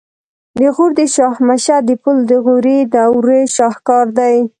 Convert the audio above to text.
د غور د شاهمشه د پل د غوري دورې شاهکار دی